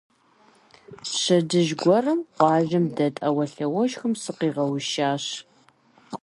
Пщэдджыжь гуэрым къуажэм дэт Ӏэуэлъауэшхуэм сыкъигъэушащ.